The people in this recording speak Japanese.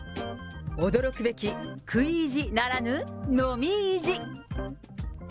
驚くべき食い意地ならぬ、飲み意地。